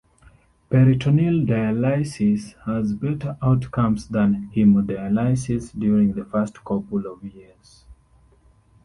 Peritoneal dialysis has better outcomes than hemodialysis during the first couple of years.